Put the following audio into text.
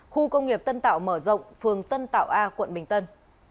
khu công nghiệp tân tạo mở rộng phường tân tạo a quận bình tân